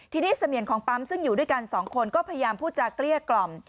ทีนี้เสมียนของปั๊มซึ่งอยู่ด้วยกันสองคนก็พยายามพูดจากเกลี้ยกล่อม